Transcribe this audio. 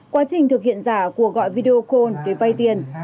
quá trình thực hiện giả của gọi video call để vay tiền